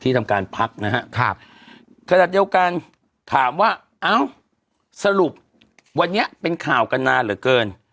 ที่ทำการพักครับอีกการถามว่าสรุปเป็นข่าวกันนานเหลือเกิน